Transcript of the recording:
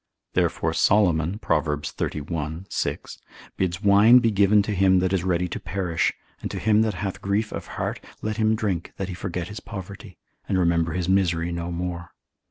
Therefore Solomon, Prov. xxxi. 6, bids wine be given to him that is ready to perish, and to him that hath grief of heart, let him drink that he forget his poverty, and remember his misery no more.